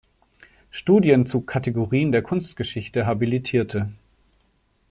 Studien zu Kategorien der Kunstgeschichte" habilitierte.